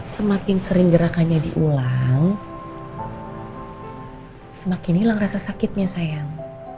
semakin sering gerakannya diulang semakin hilang rasa sakitnya sayang